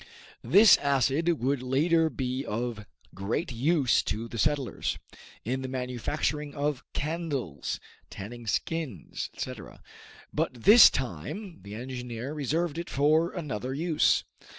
This acid would later be of great use to the settlers, in the manufacturing of candles, tanning skins, etc., but this time the engineer reserved it for another use.